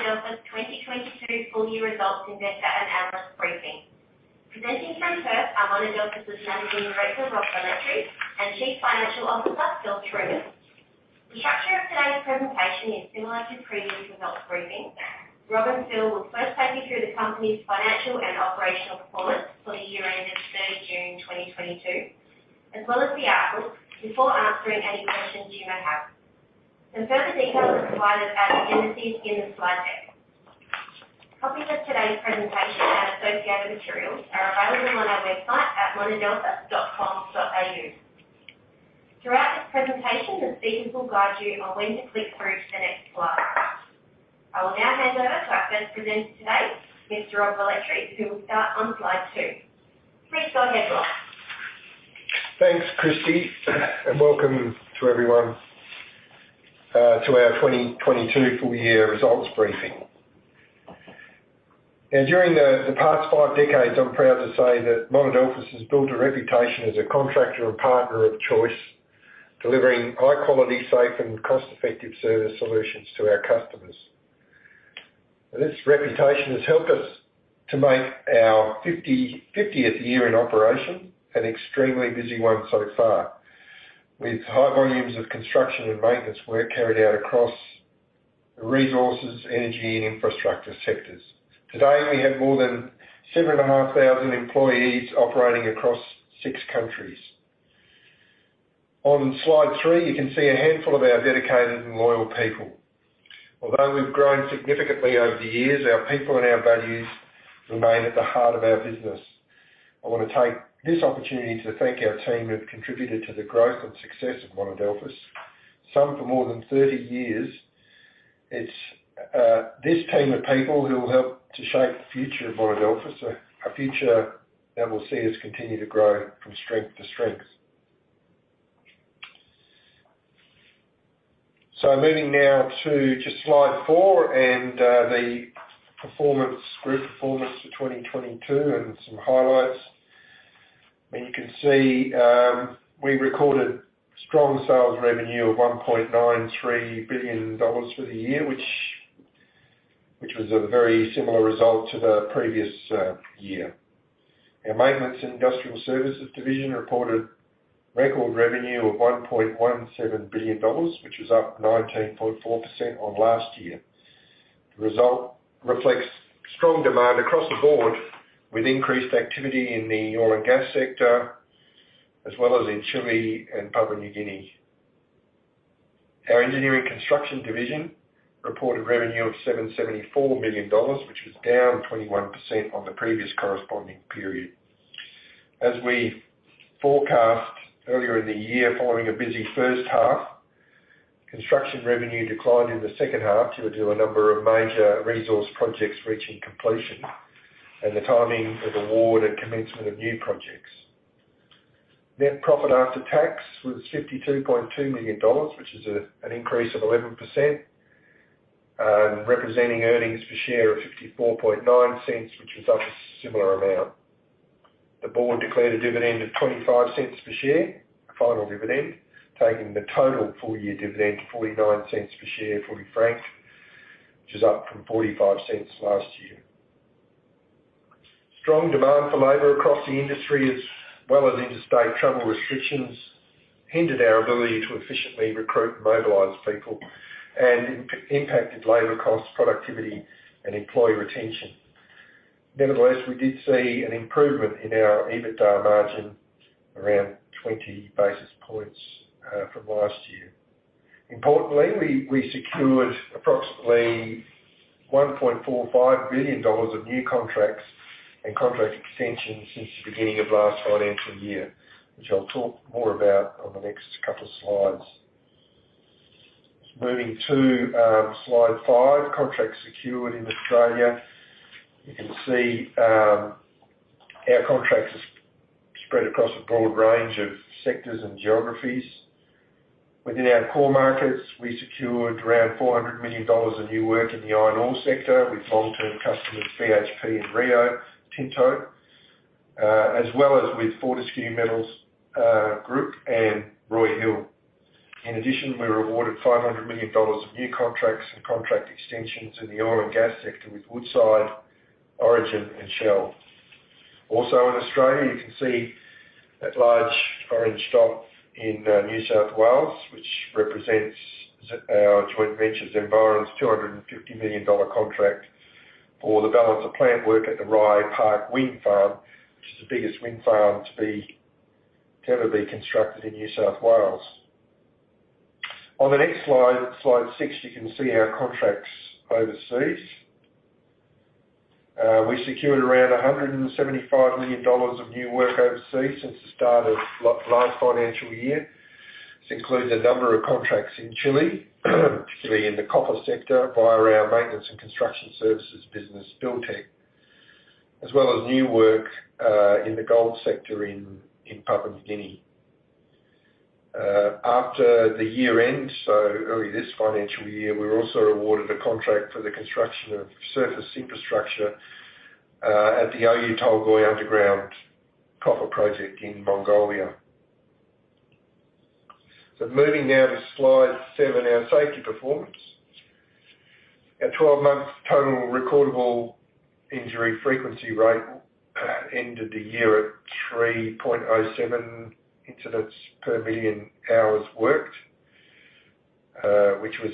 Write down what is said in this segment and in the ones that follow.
Monadelphous's 2022 full year results investor and analyst briefing. Presenting from Perth are Monadelphous's Managing Director, Rob Velletri, and Chief Financial Officer, Phil Trueman. The structure of today's presentation is similar to previous results briefings. Rob and Phil will first take you through the company's financial and operational performance for the year ended 30 June 2022, as well as the outlook, before answering any questions you may have. Some further details are provided at the indices in the slide deck. Copies of today's presentation and associated materials are available on our website at monadelphous.com.au. Throughout this presentation, the speakers will guide you on when to click through to the next slide. I will now hand over to our first presenter today, Mr. Rob Velletri, who will start on slide two. Please go ahead, Rob. Thanks, Kristy, and welcome to everyone to our 2022 full year results briefing. Now, during the past five decades, I'm proud to say that Monadelphous has built a reputation as a contractor and partner of choice, delivering high quality, safe and cost-effective service solutions to our customers. This reputation has helped us to make our fiftieth year in operation an extremely busy one so far, with high volumes of construction and maintenance work carried out across resources, energy and infrastructure sectors. Today, we have more than 7,500 employees operating across six countries. On slide three, you can see a handful of our dedicated and loyal people. Although we've grown significantly over the years, our people and our values remain at the heart of our business. I wanna take this opportunity to thank our team who have contributed to the growth and success of Monadelphous, some for more than 30 years. It's this team of people who will help to shape the future of Monadelphous. A future that will see us continue to grow from strength to strength. Moving now to just slide four and the performance, group performance for 2022 and some highlights. You can see, we recorded strong sales revenue of 1.93 billion dollars for the year which was a very similar result to the previous year. Our Maintenance and Industrial Services division reported record revenue of 1.17 billion dollars, which is up 19.4% on last year. The result reflects strong demand across the board with increased activity in the oil and gas sector, as well as in Chile and Papua New Guinea. Our Engineering Construction division reported revenue of 774 million dollars, which was down 21% on the previous corresponding period. As we forecast earlier in the year following a busy first half, construction revenue declined in the second half due to a number of major resource projects reaching completion and the timing of award and commencement of new projects. Net profit after tax was 52.2 million dollars, which is an increase of 11%, representing earnings per share of 0.549, which was up a similar amount. The board declared a dividend of 0.25 per share, final dividend, taking the total full-year dividend to 0.49 per share, fully franked, which is up from 0.45 last year. Strong demand for labor across the industry as well as interstate travel restrictions hindered our ability to efficiently recruit and mobilize people and impacted labor costs, productivity and employee retention. Nevertheless, we did see an improvement in our EBITDA margin around 20 basis points from last year. Importantly, we secured approximately 1.45 billion dollars of new contracts and contract extensions since the beginning of last financial year, which I'll talk more about on the next couple slides. Moving to slide 5, Contracts Secured in Australia. You can see our contracts spread across a broad range of sectors and geographies. Within our core markets, we secured around 400 million dollars of new work in the iron ore sector with long-term customers BHP and Rio Tinto, as well as with Fortescue Metals Group and Roy Hill. In addition, we were awarded 500 million dollars of new contracts and contract extensions in the oil and gas sector with Woodside, Origin and Shell. Also in Australia, you can see that large orange dot in New South Wales, which represents our joint venture Zenviron's 250 million dollar contract for the balance of plant work at the Rye Park Wind Farm, which is the biggest wind farm ever to be constructed in New South Wales. On the next slide six, you can see our contracts overseas. We secured around 175 million dollars of new work overseas since the start of last financial year. This includes a number of contracts in Chile, particularly in the copper sector via our maintenance and construction services business, Buildtek. As well as new work in the gold sector in Papua New Guinea. After the year-end, so early this financial year, we were also awarded a contract for the construction of surface infrastructure at the Oyu Tolgoi underground copper project in Mongolia. Moving now to slide 7, our safety performance. Our 12-month total recordable injury frequency rate ended the year at 3.07 incidents per million hours worked, which was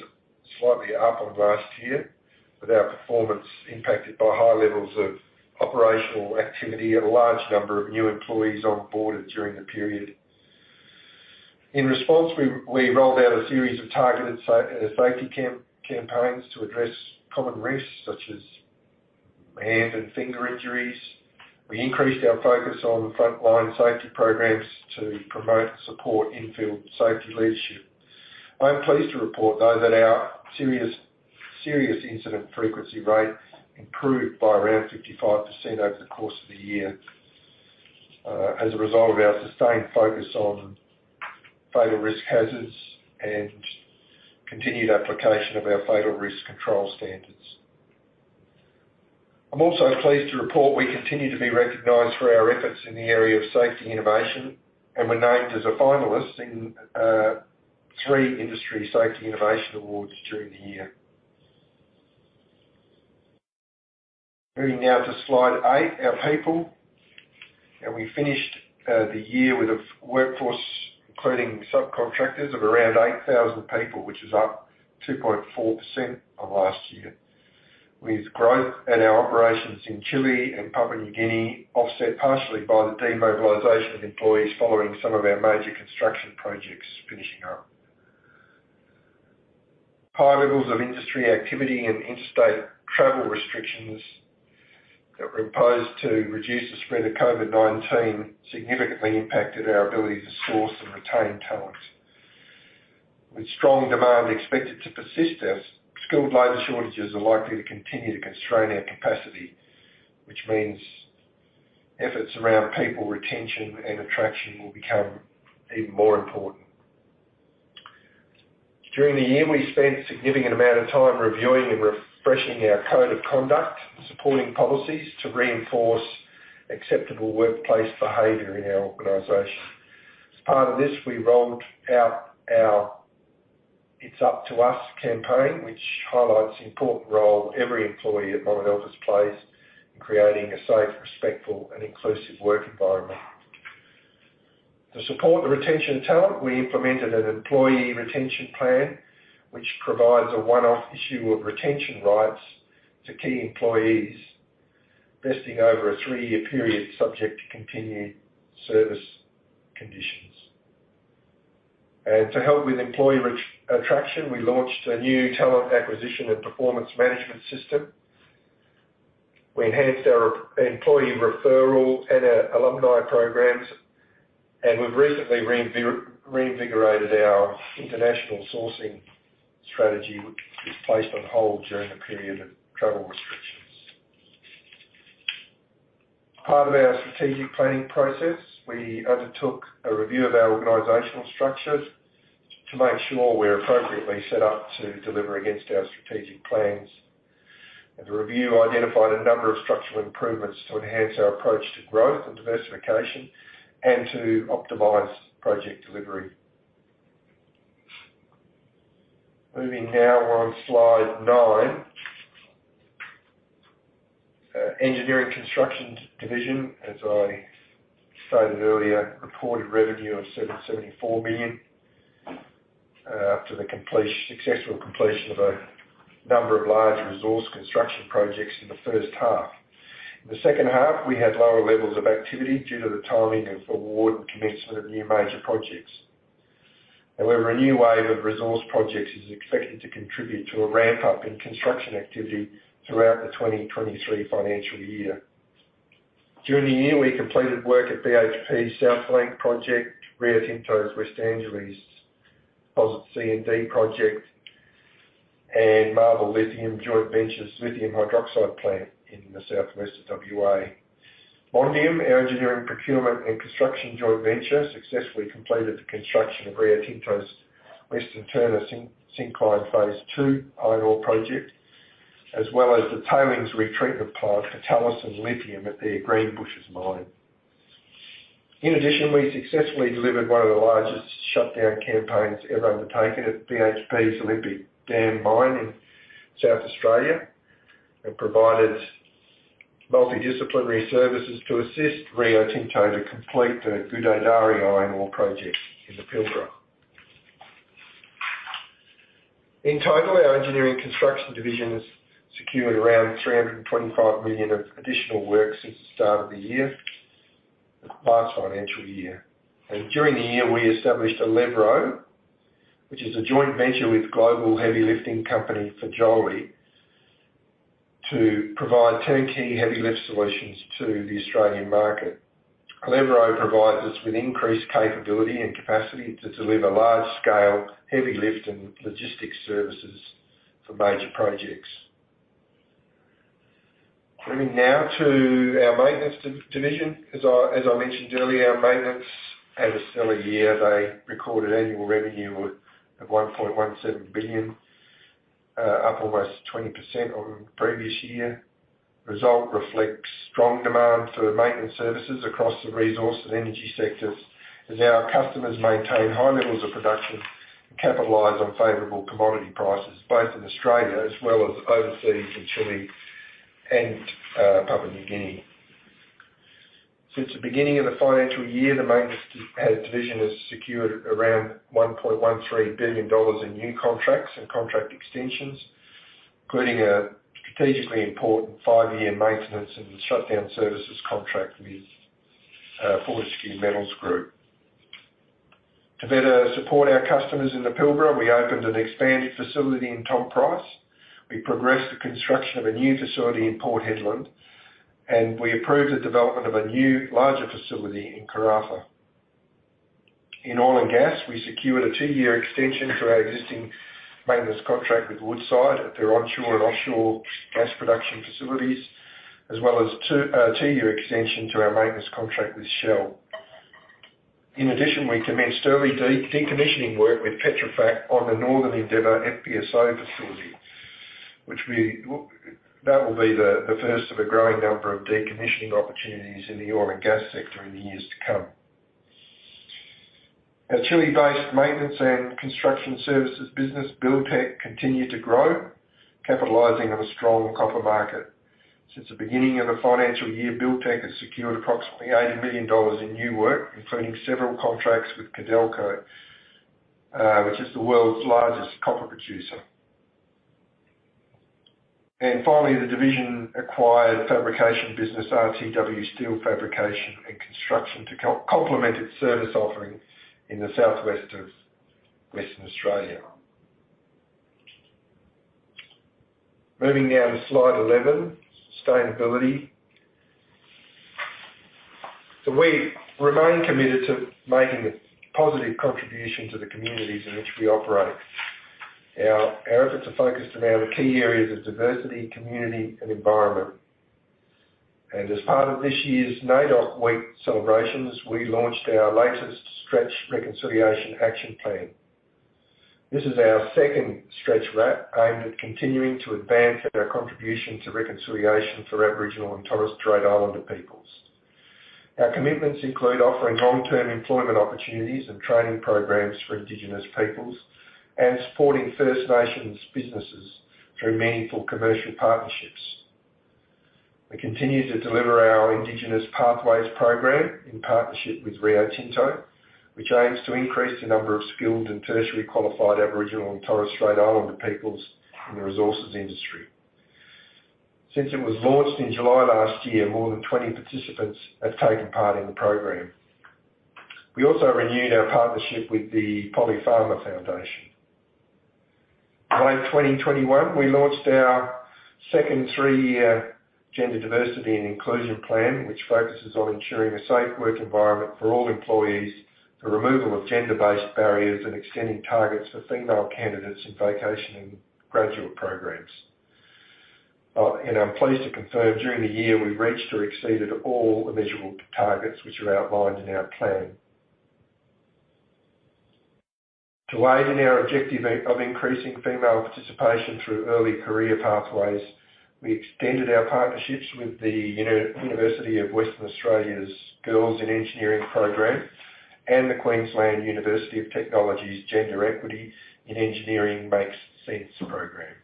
slightly up on last year with our performance impacted by high levels of operational activity and a large number of new employees onboarded during the period. In response, we rolled out a series of targeted safety campaigns to address common risks such as hand and finger injuries. We increased our focus on frontline safety programs to promote and support in-field safety leadership. I am pleased to report, though, that our serious incident frequency rate improved by around 55% over the course of the year, as a result of our sustained focus on fatal risk hazards and continued application of our fatal risk control standards. I'm also pleased to report we continue to be recognized for our efforts in the area of safety innovation, and were named as a finalist in 3 industry safety innovation awards during the year. Moving now to slide 8, our people. We finished the year with a full workforce, including subcontractors, of around 8,000 people, which is up 2.4% on last year. With growth at our operations in Chile and Papua New Guinea offset partially by the demobilization of employees following some of our major construction projects finishing up. High levels of industry activity and interstate travel restrictions that were imposed to reduce the spread of COVID-19 significantly impacted our ability to source and retain talent. With strong demand expected to persist as skilled labor shortages are likely to continue to constrain our capacity, which means efforts around people retention and attraction will become even more important. During the year, we spent a significant amount of time reviewing and refreshing our code of conduct, supporting policies to reinforce acceptable workplace behavior in our organization. As part of this, we rolled out our It's Up to Us campaign, which highlights the important role every employee at Monadelphous plays in creating a safe, respectful, and inclusive work environment. To support the retention of talent, we implemented an employee retention plan, which provides a one-off issue of retention rights to key employees, vesting over a three-year period subject to continued service conditions. To help with employee re-attraction, we launched a new talent acquisition and performance management system. We enhanced our employee referral and our alumni programs, and we've recently reinvigorated our international sourcing strategy, which was placed on hold during the period of travel restrictions. Part of our strategic planning process, we undertook a review of our organizational structures to make sure we're appropriately set up to deliver against our strategic plans. The review identified a number of structural improvements to enhance our approach to growth and diversification and to optimize project delivery. Moving now on slide nine. Engineering Construction division, as I stated earlier, reported revenue of 774 million after the successful completion of a number of large resource construction projects in the first half. In the second half, we had lower levels of activity due to the timing of award and commencement of new major projects. However, a new wave of resource projects is expected to contribute to a ramp up in construction activity throughout the 2023 financial year. During the year, we completed work at BHP's South Flank project, Rio Tinto's Western Range Deposit C and D project, and Albemarle Lithium Joint Venture's lithium hydroxide plant in the southwest of WA. Mondium, our engineering procurement and construction joint venture, successfully completed the construction of Rio Tinto's Western Turner Syncline phase two iron ore project, as well as the tailings retrieval plant for Talison Lithium at their Greenbushes mine. In addition, we successfully delivered one of the largest shutdown campaigns ever undertaken at BHP's Olympic Dam mine in South Australia, and provided multidisciplinary services to assist Rio Tinto to complete the Gudai-Darri iron ore project in the Pilbara. In total, our engineering construction division has secured around 325 million of additional work since the start of the year, last financial year. During the year, we established Alevro, which is a joint venture with global heavy lifting company, Fagioli, to provide turnkey heavy lift solutions to the Australian market. Alevro provides us with increased capability and capacity to deliver large scale heavy lift and logistics services for major projects. Moving now to our maintenance division. As I mentioned earlier, our maintenance had a stellar year. They recorded annual revenue of 1.17 billion, up almost 20% on previous year. Result reflects strong demand for maintenance services across the resource and energy sectors as our customers maintain high levels of production and capitalize on favorable commodity prices both in Australia as well as overseas in Chile and Papua New Guinea. Since the beginning of the financial year, the maintenance division has secured around 1.13 billion dollars in new contracts and contract extensions, including a strategically important five-year maintenance and shutdown services contract with Fortescue Metals Group. To better support our customers in the Pilbara, we opened an expanded facility in Tom Price. We progressed the construction of a new facility in Port Hedland, and we approved the development of a new larger facility in Karratha. In oil and gas, we secured a two-year extension to our existing maintenance contract with Woodside at their onshore and offshore gas production facilities, as well as a two-year extension to our maintenance contract with Shell. In addition, we commenced early decommissioning work with Petrofac on the Northern Endeavour FPSO facility. That will be the first of a growing number of decommissioning opportunities in the oil and gas sector in the years to come. Our Chile-based maintenance and construction services business, Buildtek, continued to grow, capitalizing on a strong copper market. Since the beginning of the financial year, Buildtek has secured approximately 80 million dollars in new work, including several contracts with Codelco, which is the world's largest copper producer. Finally, the division acquired fabrication business, RTW Steel Fabrication and Construction, to complement its service offerings in the southwest of Western Australia. Moving now to slide 11, sustainability. We remain committed to making a positive contribution to the communities in which we operate. Our efforts are focused around the key areas of diversity, community, and environment. As part of this year's NAIDOC Week celebrations, we launched our latest Stretch Reconciliation Action Plan. This is our second Stretch RAP aimed at continuing to advance our contribution to reconciliation for Aboriginal and Torres Strait Islander peoples. Our commitments include offering long-term employment opportunities and training programs for Indigenous peoples and supporting First Nations businesses through meaningful commercial partnerships. We continue to deliver our Indigenous Pathways program in partnership with Rio Tinto, which aims to increase the number of skilled and tertiary qualified Aboriginal and Torres Strait Islander peoples in the resources industry. Since it was launched in July last year, more than 20 participants have taken part in the program. We also renewed our partnership with the Graham (Polly) Farmer Foundation. In May 2021, we launched our second 3-year gender diversity and inclusion plan, which focuses on ensuring a safe work environment for all employees, the removal of gender-based barriers, and extending targets for female candidates in vacation and graduate programs. I'm pleased to confirm during the year we've reached or exceeded all the measurable targets which are outlined in our plan. To aid in our objective of increasing female participation through early career pathways, we extended our partnerships with the University of Western Australia's Girls in Engineering program and the Queensland University of Technology's Gender Equity in Engineering Makes Cents program.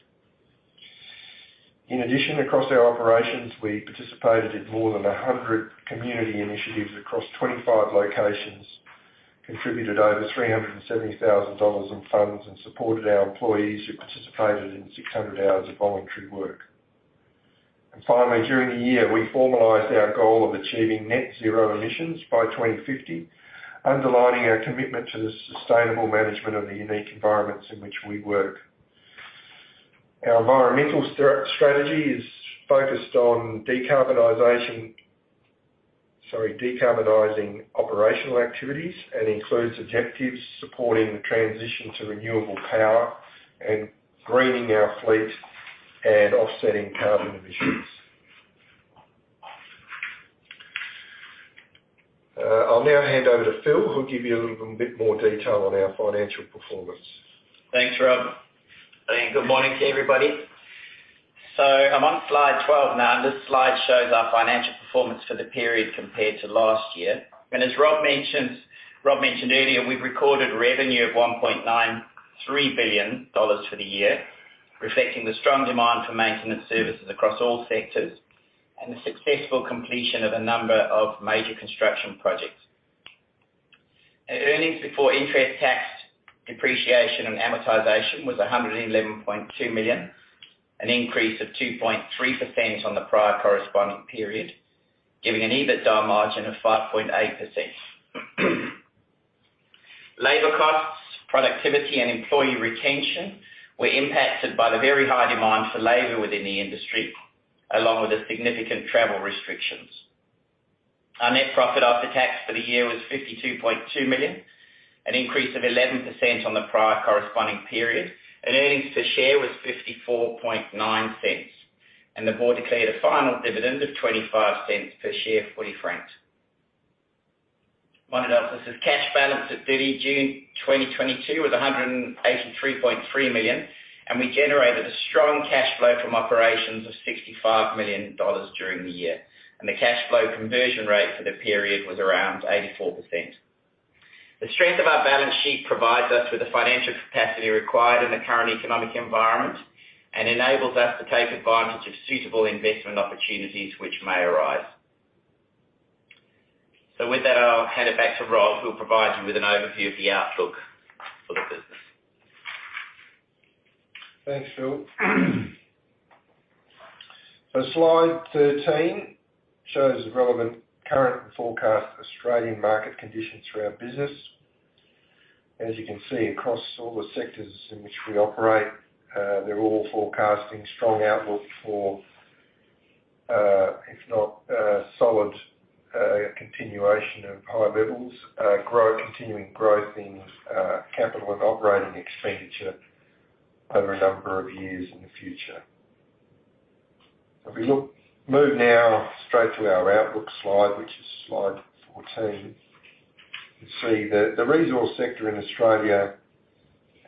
In addition, across our operations, we participated in more than 100 community initiatives across 25 locations, contributed over 370,000 dollars in funds, and supported our employees who participated in 600 hours of voluntary work. Finally, during the year, we formalized our goal of achieving net zero emissions by 2050, underlining our commitment to the sustainable management of the unique environments in which we work. Our environmental strategy is focused on decarbonizing operational activities and includes objectives supporting the transition to renewable power and greening our fleet and offsetting carbon emissions. I'll now hand over to Phil, who'll give you a little bit more detail on our financial performance. Thanks, Rob. Good morning to everybody. I'm on slide 12 now, and this slide shows our financial performance for the period compared to last year. As Rob mentioned earlier, we've recorded revenue of 1.93 billion dollars for the year, reflecting the strong demand for maintenance services across all sectors and the successful completion of a number of major construction projects. Earnings before interest, tax, depreciation, and amortization was 111.2 million, an increase of 2.3% on the prior corresponding period, giving an EBITDA margin of 5.8%. Labor costs, productivity, and employee retention were impacted by the very high demand for labor within the industry, along with the significant travel restrictions. Our net profit after tax for the year was 52.2 million, an increase of 11% on the prior corresponding period. Earnings per share was 0.549. The board declared a final dividend of 0.25 per share fully franked. Our cash balance at 30 June 2022 was 183.3 million, and we generated a strong cash flow from operations of 65 million dollars during the year. The cash flow conversion rate for the period was around 84%. The strength of our balance sheet provides us with the financial capacity required in the current economic environment and enables us to take advantage of suitable investment opportunities which may arise. With that, I'll hand it back to Rob, who will provide you with an overview of the outlook for the business. Thanks, Phil. Slide 13 shows the relevant current and forecast Australian market conditions for our business. As you can see across all the sectors in which we operate, they're all forecasting strong outlook for, if not a solid, continuation of high levels, continuing growth in, capital and operating expenditure over a number of years in the future. If we move now straight to our outlook slide, which is slide 14, you see the resource sector in Australia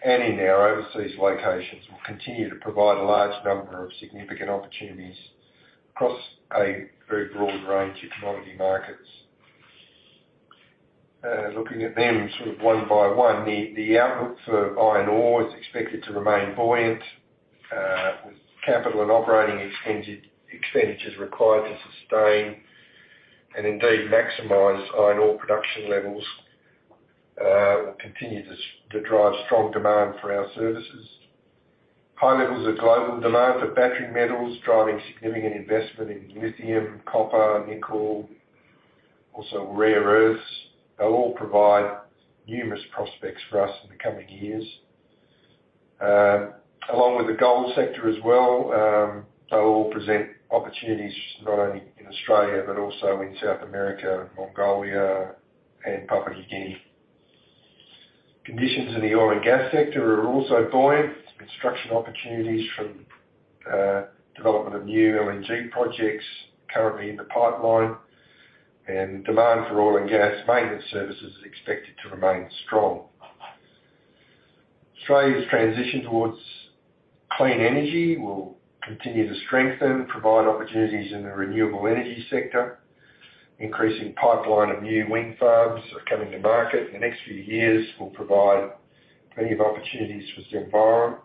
and in our overseas locations will continue to provide a large number of significant opportunities across a very broad range of commodity markets. Looking at them sort of one by one, the outlook for iron ore is expected to remain buoyant, with capital and operating expenditures required to sustain and indeed maximize iron ore production levels, will continue to drive strong demand for our services. High levels of global demand for battery metals driving significant investment in lithium, copper, nickel, also rare earths. They'll all provide numerous prospects for us in the coming years. Along with the gold sector as well, they all present opportunities not only in Australia but also in South America, Mongolia, and Papua New Guinea. Conditions in the oil and gas sector are also buoyant. Construction opportunities from development of new LNG projects currently in the pipeline and demand for oil and gas maintenance services is expected to remain strong. Australia's transition towards clean energy will continue to strengthen, provide opportunities in the renewable energy sector. Increasing pipeline of new wind farms are coming to market in the next few years will provide plenty of opportunities for Zenviron,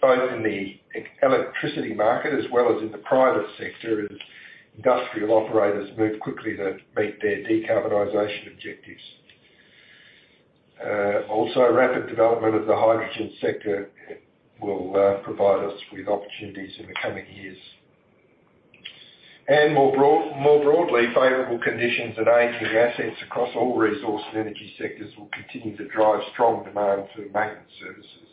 both in the electricity market as well as in the private sector as industrial operators move quickly to meet their decarbonization objectives. Also rapid development of the hydrogen sector will provide us with opportunities in the coming years. More broadly, favorable conditions and aging assets across all resource and energy sectors will continue to drive strong demand for maintenance services.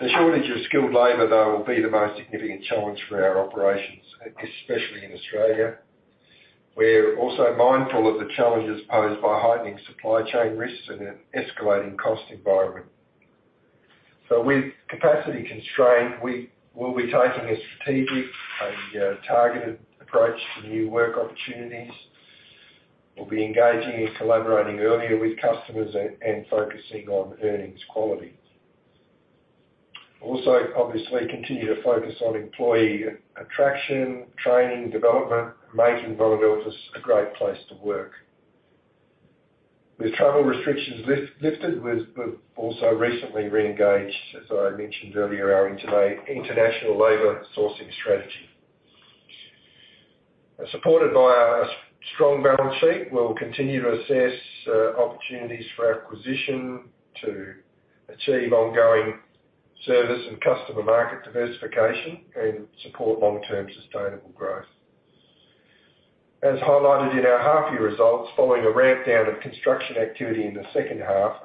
The shortage of skilled labor, though, will be the most significant challenge for our operations, especially in Australia. We're also mindful of the challenges posed by heightening supply chain risks and an escalating cost environment. With capacity constraint, we will be taking a strategic and targeted approach to new work opportunities. We'll be engaging and collaborating earlier with customers and focusing on earnings quality. Also, obviously continue to focus on employee attraction, training, development, making Monadelphous just a great place to work. With travel restrictions lifted, we've also recently reengaged, as I mentioned earlier, our international labor sourcing strategy. Supported by a strong balance sheet, we'll continue to assess opportunities for acquisition to achieve ongoing service and customer market diversification and support long-term sustainable growth. As highlighted in our half-year results, following a ramp down of construction activity in the second half,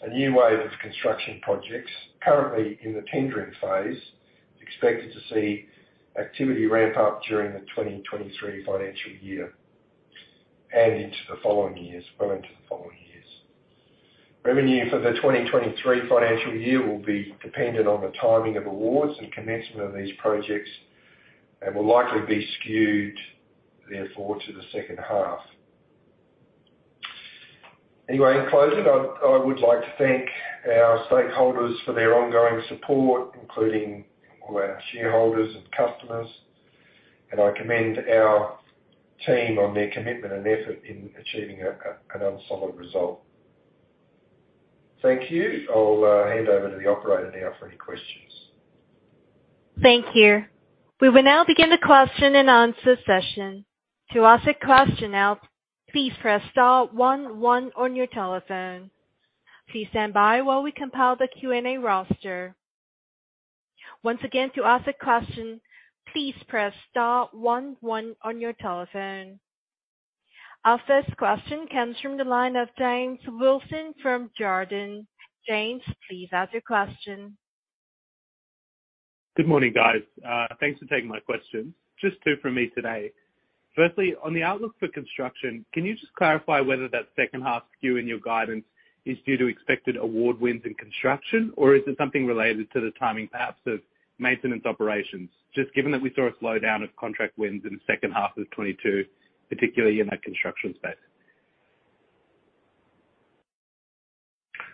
a new wave of construction projects currently in the tendering phase, expected to see activity ramp up during the 2023 financial year and into the following years. Revenue for the 2023 financial year will be dependent on the timing of awards and commencement of these projects and will likely be skewed, therefore, to the second half. Anyway, in closing, I would like to thank our stakeholders for their ongoing support, including all our shareholders and customers, and I commend our team on their commitment and effort in achieving another solid result. Thank you. I'll hand over to the operator now for any questions. Thank you. We will now begin the question and answer session. To ask a question now, please press star one one on your telephone. Please stand by while we compile the Q&A roster. Once again, to ask a question, please press star one one on your telephone. Our first question comes from the line of James Wilson from Jarden. James, please ask your question. Good morning, guys. Thanks for taking my question. Just two from me today. Firstly, on the outlook for construction, can you just clarify whether that second half skew in your guidance is due to expected award wins in construction? Or is it something related to the timing perhaps of maintenance operations? Just given that we saw a slowdown of contract wins in the second half of 2022, particularly in that construction space.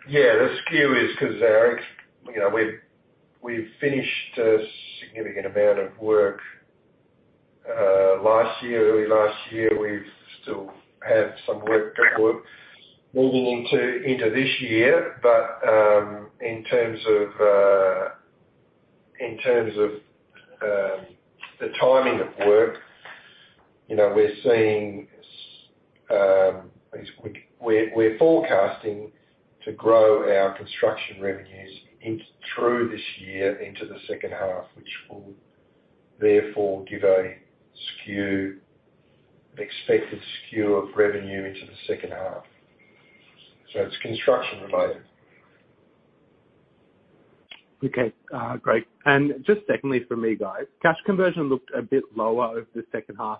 Yeah. The skew is 'cause, James Wilson, you know, we've finished a significant amount of work last year, early last year. We still have some backlog work moving into this year. In terms of the timing of work, you know, we're seeing, I guess we're forecasting to grow our construction revenues in through this year into the second half, which will therefore give a skew, expected skew of revenue into the second half. It's construction related. Okay. Great. Just secondly from me, guys. Cash conversion looked a bit lower over the second half.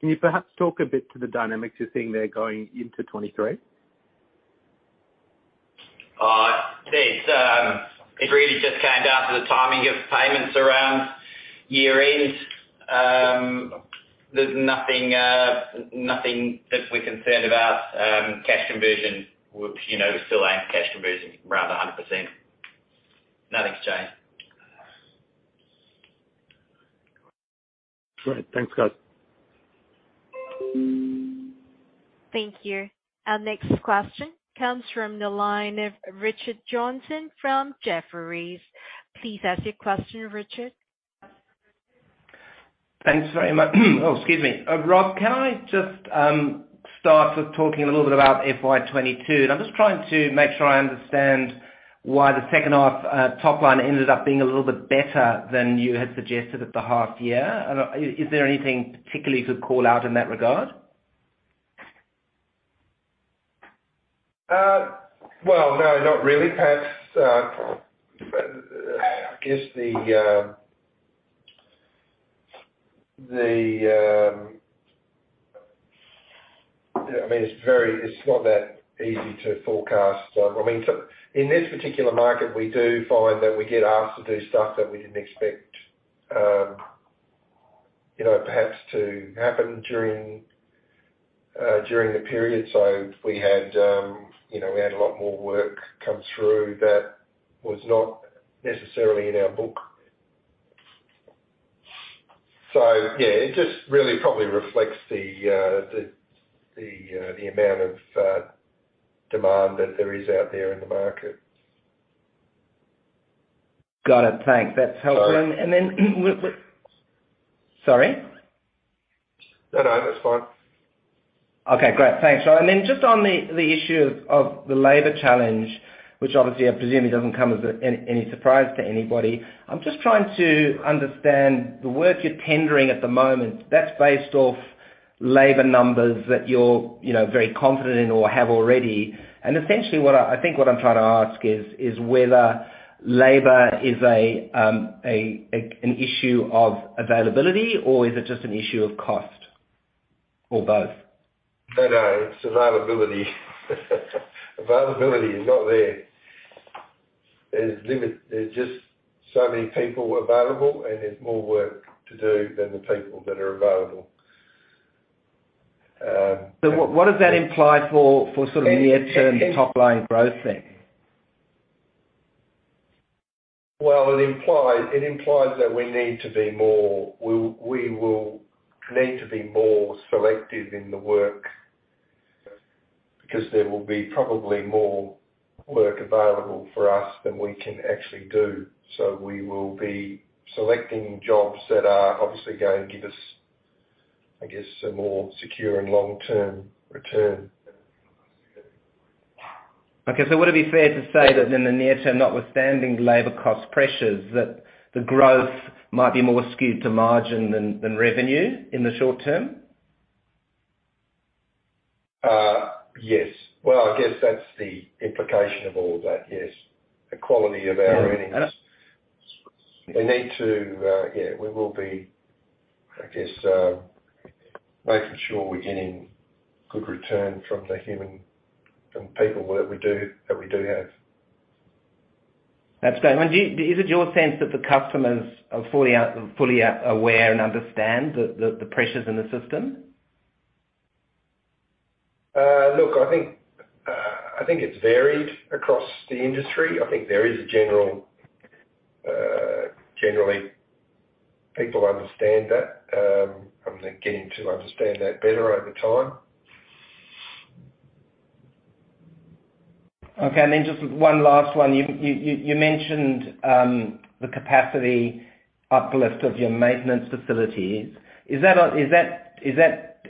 Can you perhaps talk a bit to the dynamics you're seeing there going into 2023? It really just came down to the timing of payments around year-end. There's nothing that we're concerned about. Cash conversion would, you know, we still aim cash conversion around 100%. Nothing's changed. Great. Thanks, guys. Thank you. Our next question comes from the line of Richard Johnson from Jefferies. Please ask your question, Richard. Oh, excuse me. Rob, can I just start with talking a little bit about FY 2022? I'm just trying to make sure I understand why the second half top line ended up being a little bit better than you had suggested at the half year. Is there anything particularly you could call out in that regard? Well, no, not really. Perhaps I guess. I mean, it's very, it's not that easy to forecast. I mean, in this particular market, we do find that we get asked to do stuff that we didn't expect, you know, perhaps to happen during the period. We had a lot more work come through that was not necessarily in our book. Yeah, it just really probably reflects the amount of demand that there is out there in the market. Got it. Thanks. That's helpful. Sorry. Sorry? No, no, that's fine. Okay, great. Thanks, Rob. Then just on the issue of the labor challenge, which obviously I presume it doesn't come as any surprise to anybody. I'm just trying to understand the work you're tendering at the moment, that's based off labor numbers that you're, you know, very confident in or have already. Essentially what I think what I'm trying to ask is whether labor is an issue of availability, or is it just an issue of cost, or both? No, no, it's availability. Availability is not there. There's just so many people available, and there's more work to do than the people that are available. What does that imply for sort of near-term top line growth then? Well, it implies that we will need to be more selective in the work, because there will be probably more work available for us than we can actually do. We will be selecting jobs that are obviously gonna give us, I guess, a more secure and long-term return. Would it be fair to say that in the near term, notwithstanding labor cost pressures, that the growth might be more skewed to margin than revenue in the short term? Yes. Well, I guess that's the implication of all of that, yes. The quality of our earnings. Yeah. We need to, yeah, we will be, I guess, making sure we're getting good return from people that we do have. Absolutely. Is it your sense that the customers are fully aware and understand the pressures in the system? Look, I think it's varied across the industry. Generally, people understand that I would think getting to understand that better over time. Okay. Just one last one. You mentioned the capacity uplift of your maintenance facilities.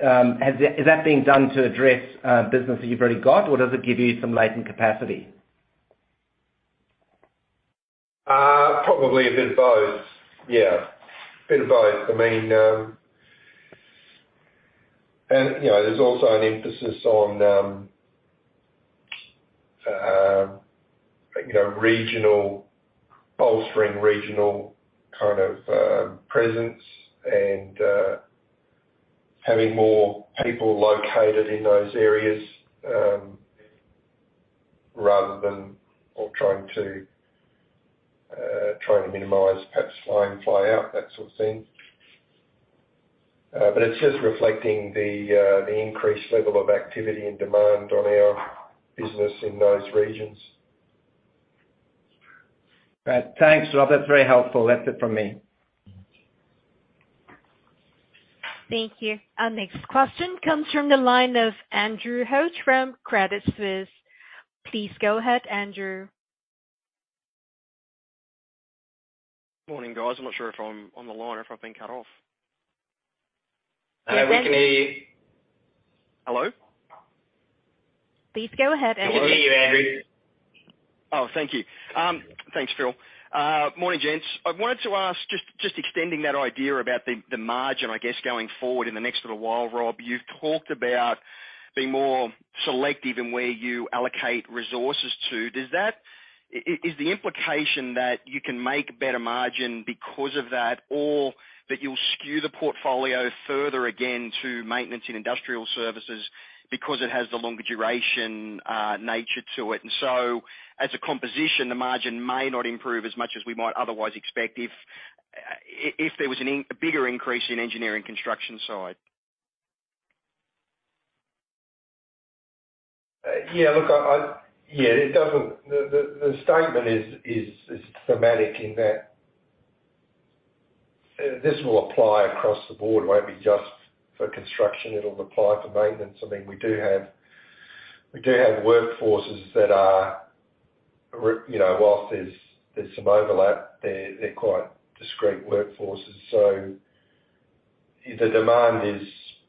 Is that being done to address business that you've already got, or does it give you some latent capacity? Probably a bit of both. Yeah, a bit of both. I mean, and you know, there's also an emphasis on, you know, regional, bolstering regional kind of presence and having more people located in those areas, rather than or trying to minimize perhaps fly in, fly out, that sort of thing. It's just reflecting the increased level of activity and demand on our business in those regions. Right. Thanks, Rob. That's very helpful. That's it from me. Thank you. Our next question comes from the line of Andrew Hodge from Credit Suisse. Please go ahead, Andrew. Morning, guys. I'm not sure if I'm on the line or if I've been cut off. Hello. We can hear you. Hello? Please go ahead, Andrew. We can hear you, Andrew. Oh, thank you. Thanks, Phil. Morning, gents. I wanted to ask, just extending that idea about the margin, I guess, going forward in the next little while, Rob, you've talked about being more selective in where you allocate resources to. Is the implication that you can make better margin because of that or that you'll skew the portfolio further again to Maintenance and Industrial Services because it has the longer duration nature to it? As a composition, the margin may not improve as much as we might otherwise expect if there was a bigger increase in Engineering Construction side. The statement is thematic in that this will apply across the board. It won't be just for construction, it'll apply to maintenance. I mean, we do have workforces that are, you know, whilst there's some overlap, they're quite discrete workforces. The demand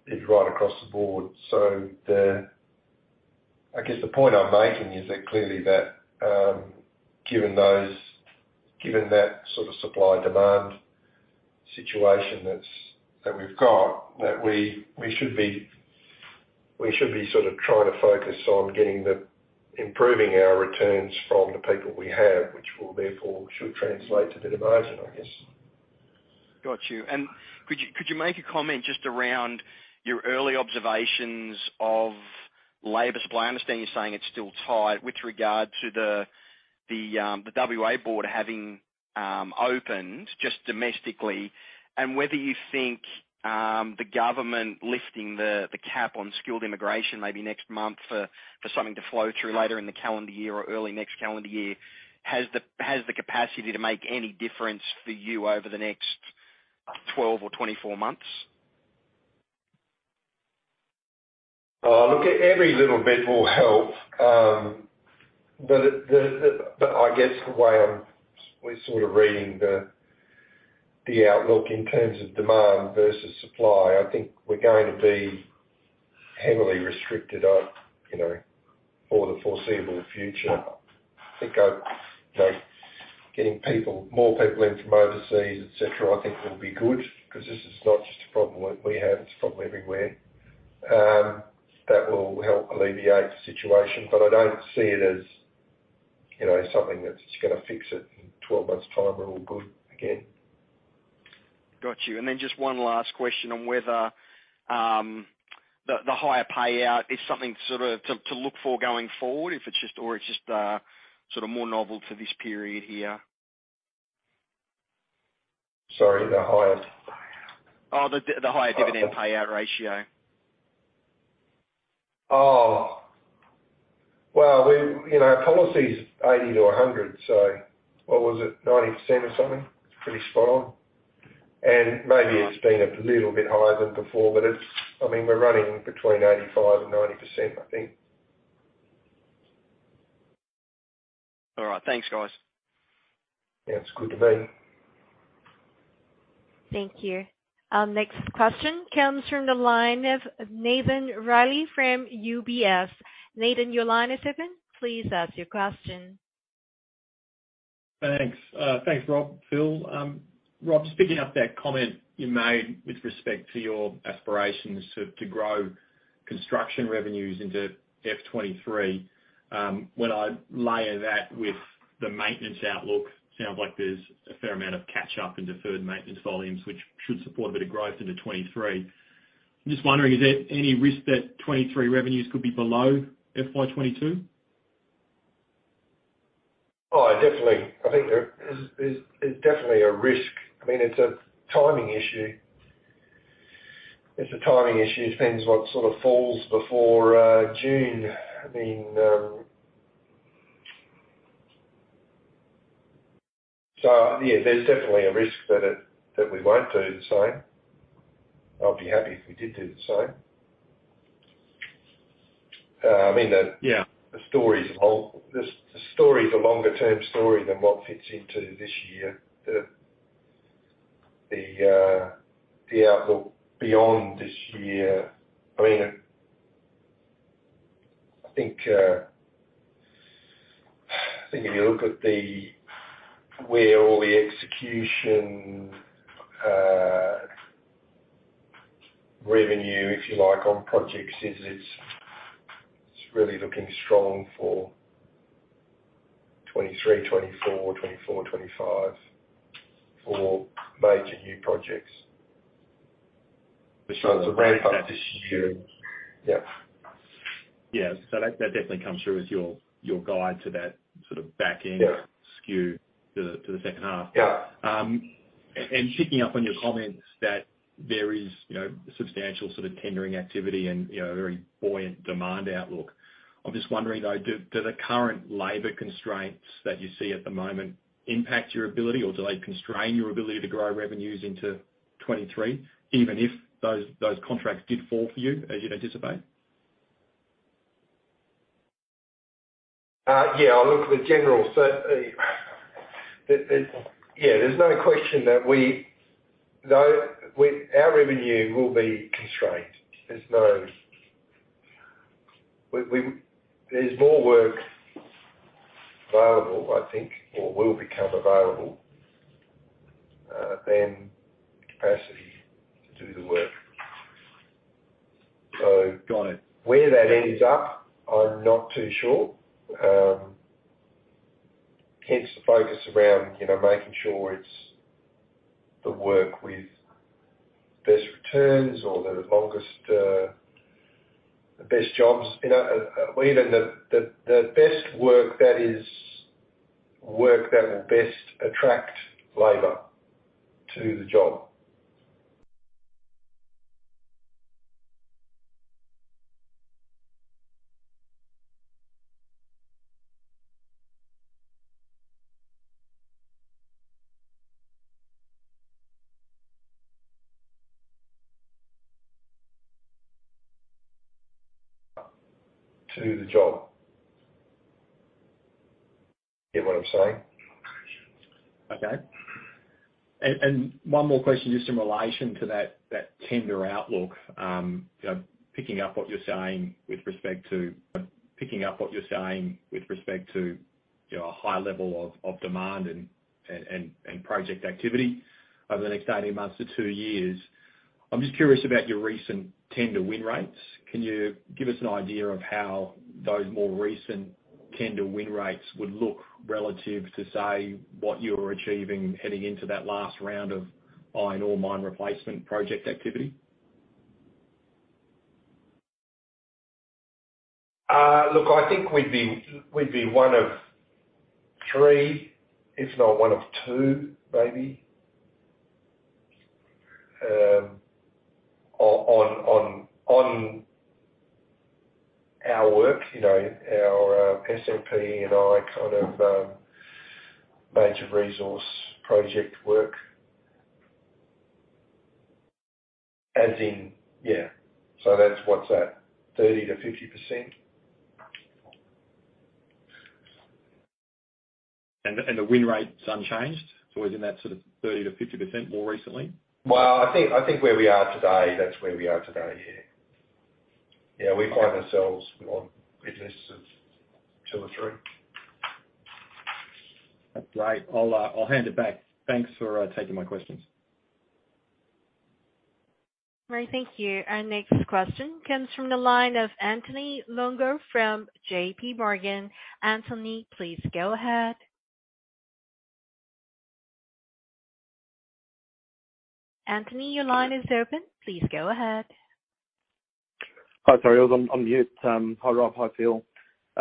is right across the board. I guess the point I'm making is that clearly, given that sort of supply/demand situation that we've got, we should be sort of trying to focus on improving our returns from the people we have, which will therefore should translate to better margin, I guess. Got you. Could you make a comment just around your early observations of labor supply? I understand you're saying it's still tight with regard to the WA border having opened just domestically and whether you think the government lifting the cap on skilled immigration maybe next month for something to flow through later in the calendar year or early next calendar year has the capacity to make any difference for you over the next 12 or 24 months? Look, every little bit will help. I guess the way we're sort of reading the outlook in terms of demand versus supply, I think we're going to be heavily restricted on, you know, for the foreseeable future. I think, you know, getting more people in from overseas, et cetera, I think will be good 'cause this is not just a problem that we have, it's a problem everywhere. That will help alleviate the situation. I don't see it as, you know, something that's gonna fix it. In twelve months time, we're all good again. Got you. Then just one last question on whether the higher payout is something sort of to look for going forward if it's just sort of more novel to this period here? Sorry, the higher payout? Oh, the higher dividend payout ratio. Oh. Well, we, you know, our policy is 80%-100%. So what was it? 90% or something? It's pretty spot on. Maybe it's been a little bit higher than before, but it's, I mean, we're running between 85% and 90%, I think. All right. Thanks, guys. Yeah, it's good to be. Thank you. Our next question comes from the line of Nathan Reilly from UBS. Nathan, your line is open. Please ask your question. Thanks. Thanks, Rob, Phil. Rob, just picking up that comment you made with respect to your aspirations to grow construction revenues into FY 2023. When I layer that with the maintenance outlook, sounds like there's a fair amount of catch up in deferred maintenance volumes, which should support a bit of growth into 2023. I'm just wondering, is there any risk that 2023 revenues could be below FY 2022? Oh, definitely. I think there is definitely a risk. I mean, it's a timing issue. It depends what sort of falls before June. I mean, yeah, there's definitely a risk that we won't do the same. I'll be happy if we did do the same. I mean. Yeah. The story's long. The story is a longer term story than what fits into this year. The outlook beyond this year, I mean, I think if you look at where all the execution, revenue, if you like, on project. Yeah. So Yeah. That definitely comes through as your guide to that sort of back end. Yeah. Skew to the second half. Yeah. Picking up on your comments that there is, you know, substantial sort of tendering activity and, you know, very buoyant demand outlook. I'm just wondering though, do the current labor constraints that you see at the moment impact your ability or do they constrain your ability to grow revenues into 2023 even if those contracts did fall for you as you'd anticipate? Yeah, there's no question that we know when our revenue will be constrained. There's more work available, I think, or will become available, than capacity to do the work. Got it. Where that ends up, I'm not too sure. Hence the focus around, you know, making sure it's the work with best returns or the longest, the best jobs. You know, even the best work that is work that will best attract labor to the job. To the job. Get what I'm saying? Okay. One more question just in relation to that tender outlook. You know, picking up what you're saying with respect to a high level of demand and project activity over the next 18 months to 2 years. I'm just curious about your recent tender win rates. Can you give us an idea of how those more recent tender win rates would look relative to, say, what you were achieving heading into that last round of iron ore mine replacement project activity? Look, I think we'd be one of three, if not one of two maybe, on our work, you know, our SMP and I kind of major resource project work. As in, yeah. That's what? 30%-50%. The win rate's unchanged? It's always in that sort of 30%-50% more recently? Well, I think where we are today, that's where we are today, yeah. We find ourselves in business of two or three. That's great. I'll hand it back. Thanks for taking my questions. All right. Thank you. Our next question comes from the line of Anthony Longo from JPMorgan. Anthony, please go ahead. Anthony, your line is open. Please go ahead. Hi. Sorry, I was on mute. Hi, Rob. Hi, Phil.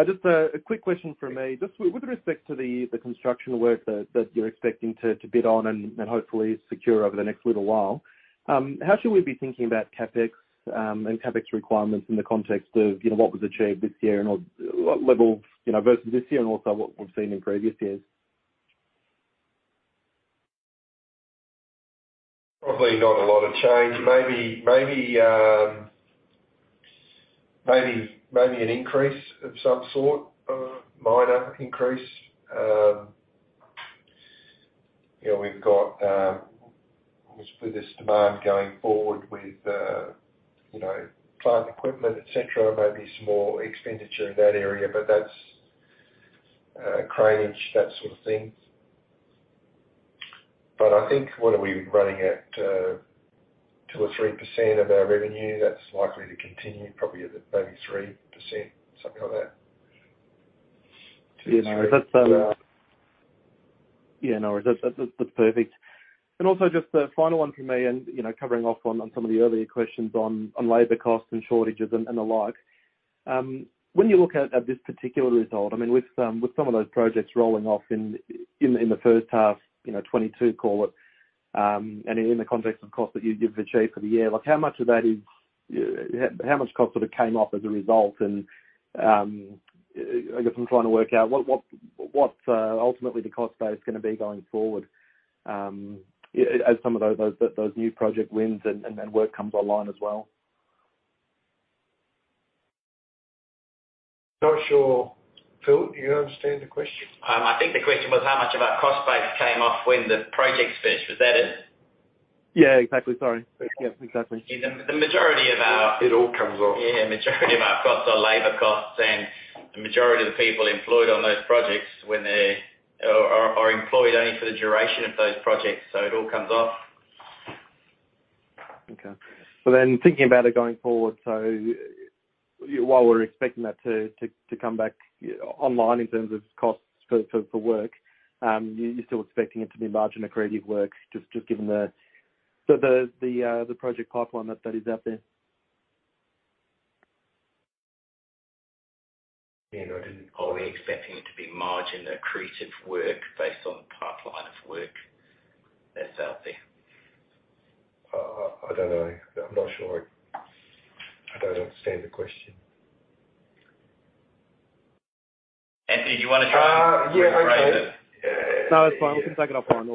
Just a quick question from me. Just with respect to the construction work that you're expecting to bid on and hopefully secure over the next little while, how should we be thinking about CapEx and CapEx requirements in the context of, you know, what was achieved this year and or what level, you know, versus this year and also what we've seen in previous years? Probably not a lot of change. Maybe an increase of some sort. Uh-huh. Minor increase. You know, we've got with this demand going forward with you know plant equipment, et cetera, maybe some more expenditure in that area. That's cranage, that sort of thing. I think, what are we running at, 2 or 3% of our revenue? That's likely to continue probably at maybe 3%, something like that. Yeah, no, that's perfect. Also just a final one from me and, you know, covering off on some of the earlier questions on labor costs and shortages and the like. When you look at this particular result, I mean, with some of those projects rolling off in the first half, you know, 2022 call it, and in the context of costs that you've achieved for the year, like how much of that is. How much cost sort of came off as a result and, I guess I'm trying to work out what's ultimately the cost base gonna be going forward, as some of those new project wins and work comes online as well? Not sure. Phil, do you understand the question? I think the question was how much of our cost base came off when the project's finished. Was that it? Yeah, exactly. Sorry. Yeah, exactly. The majority of our It all comes off. Yeah, majority of our costs are labor costs, and the majority of the people employed on those projects. For the duration of those projects, so it all comes off. Okay. Thinking about it going forward, while we're expecting that to come back online in terms of costs for work, you're still expecting it to be margin-accretive work just given the project pipeline that is out there? You know, are we expecting it to be margin-accretive work based on the pipeline of work that's out there? I don't know. I'm not sure. I don't understand the question. Anthony, do you wanna try and rephrase it? Yeah, okay. No, it's fine. We can take it offline.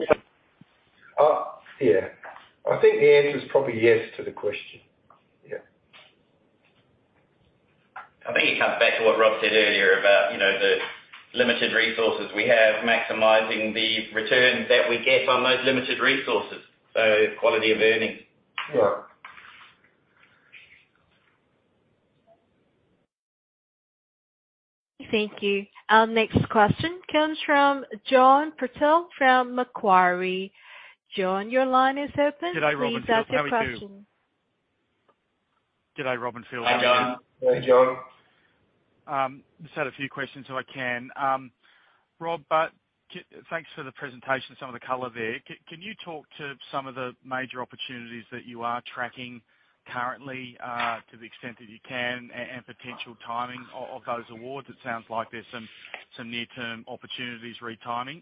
Yeah. I think the answer is probably yes to the question. Yeah. I think it comes back to what Rob said earlier about, you know, the limited resources we have maximizing the return that we get on those limited resources, so quality of earnings. Sure. Thank you. Our next question comes from Jonathon S. Purtell from Macquarie. John, your line is open. G'day, Rob and Phil. Please ask your question. How are you too? G'day, Rob and Phil. Hi, John. Hey, John. Just had a few questions. Rob, thanks for the presentation, some of the color there. Can you talk to some of the major opportunities that you are tracking currently, to the extent that you can and potential timing of those awards? It sounds like there's some near-term opportunities with timing.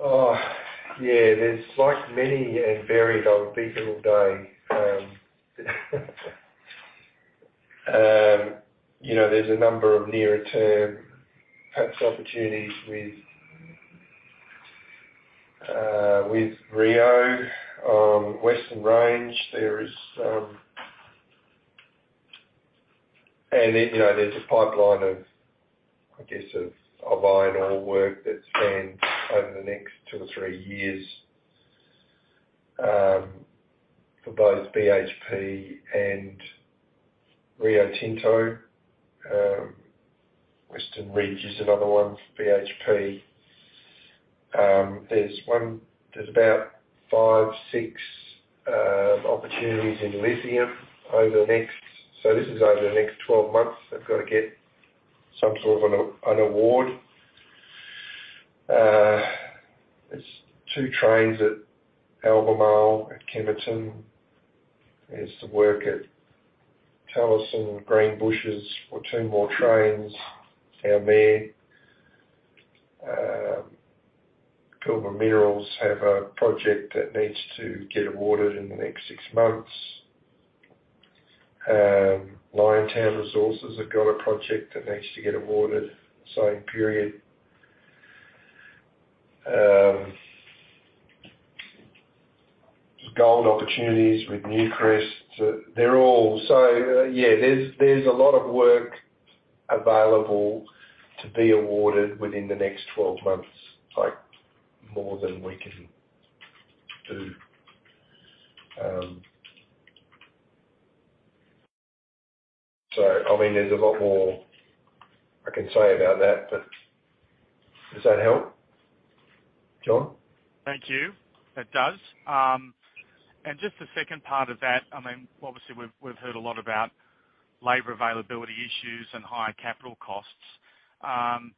Oh, yeah. There's like many and varied opportunities all day. You know, there's a number of near-term perhaps opportunities with Rio, Western Range. You know, there's a pipeline of, I guess, of iron ore work that spans over the next two or three years for both BHP and Rio Tinto. Western Ridge is another one for BHP. There's about five, six opportunities in lithium over the next 12 months. They've got to get some sort of an award. It's two trains at Albemarle, at Kemerton. There's some work at Talison, Greenbushes for two more trains. Also, Pilbara Minerals have a project that needs to get awarded in the next six months. Liontown Resources have got a project that needs to get awarded, same period. Gold opportunities with Newcrest. Yeah, there's a lot of work available to be awarded within the next 12 months, like more than we can do. I mean, there's a lot more I can say about that, but does that help, John? Thank you. That does. Just the second part of that, I mean, obviously, we've heard a lot about labor availability issues and higher capital costs.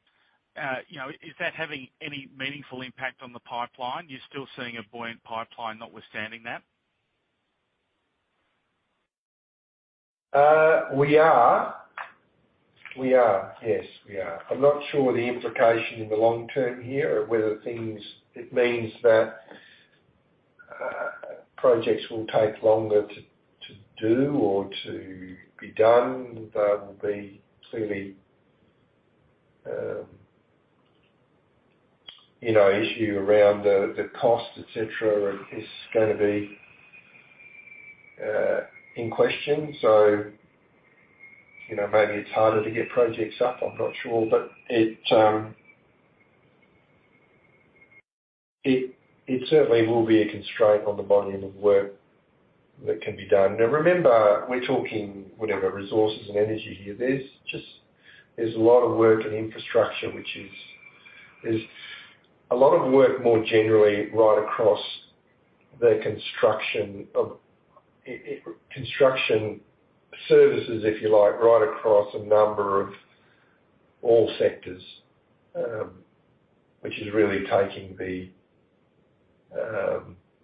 You know, is that having any meaningful impact on the pipeline? You're still seeing a buoyant pipeline notwithstanding that. Yes, we are. I'm not sure the implication in the long term here or whether it means that projects will take longer to do or to be done. That will be clearly you know issue around the cost et cetera is gonna be in question. You know, maybe it's harder to get projects up. I'm not sure. It certainly will be a constraint on the volume of work that can be done. Now, remember, we're talking whatever resources and energy here. There's just a lot of work in infrastructure, which is a lot of work more generally right across the construction services, if you like, right across a number of all sectors, which is really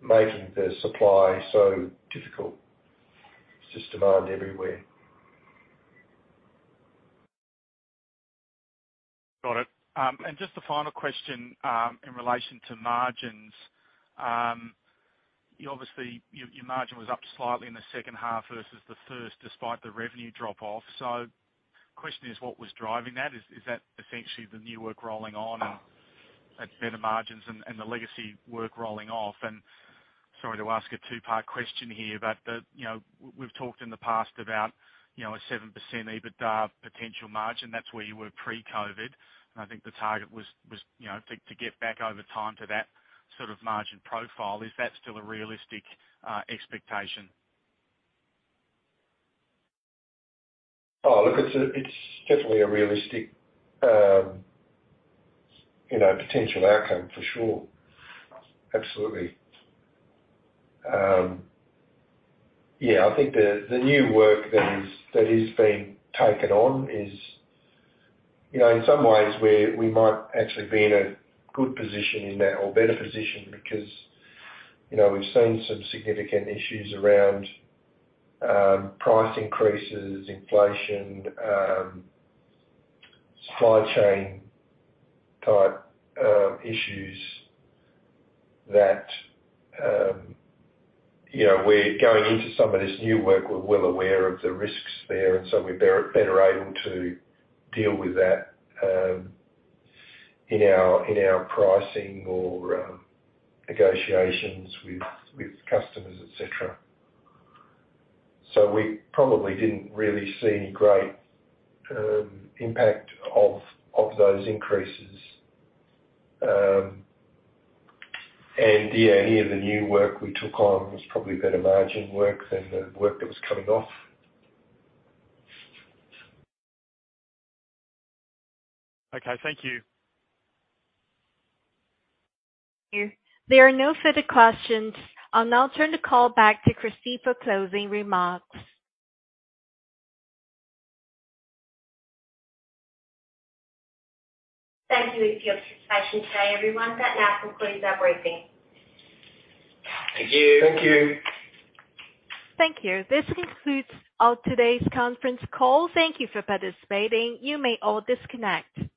making the supply so difficult. It's just demand everywhere. Got it. Just a final question, in relation to margins. You obviously, your margin was up slightly in the second half versus the first despite the revenue drop off. Question is, what was driving that? Is that essentially the new work rolling on and at better margins and the legacy work rolling off? Sorry to ask a 2-part question here, but you know, we've talked in the past about, you know, a 7% EBITDA potential margin. That's where you were pre-COVID. I think the target was, you know, to get back over time to that sort of margin profile. Is that still a realistic expectation? Oh, look, it's definitely a realistic, you know, potential outcome for sure. Absolutely. Yeah, I think the new work that is being taken on is, you know, in some ways we might actually be in a good position in that or better position because, you know, we've seen some significant issues around price increases, inflation, supply chain type issues that, you know, we're going into some of this new work, we're well aware of the risks there, and so we're better able to deal with that in our pricing or negotiations with customers, et cetera. We probably didn't really see any great impact of those increases. Yeah, any of the new work we took on was probably better margin work than the work that was coming off. Okay. Thank you. There are no further questions. I'll now turn the call back to Kristy for closing remarks. Thank you for your participation today, everyone. That now concludes our briefing. Thank you. Thank you. Thank you. This concludes all today's conference call. Thank you for participating. You may all disconnect.